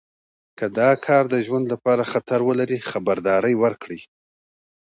که دا کار د ژوند لپاره خطر ولري خبرداری ورکړئ.